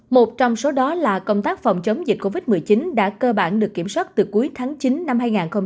một trong số đó là công tác phòng chống dịch covid một mươi chín đã cơ bản được kiểm soát từ cuối tháng chín năm hai nghìn hai mươi